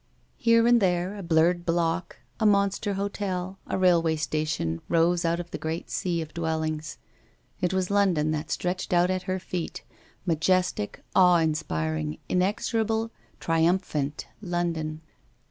Here and there a blurred block, a monster hotel, a railway station, rose out of the great sea of dwellings. It was London that lay stretched out at her feet ; majestic, awe inspiring, inexorable, trium phant London.